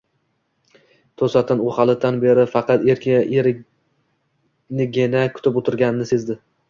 Toʼsatdan u halitdan beri faqat erinigina kutib oʼtirganini sezdi.